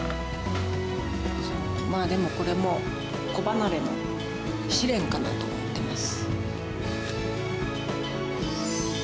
まあでもこれも子離れの試練かなと思ってます。